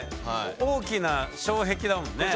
大きな障壁だもんね。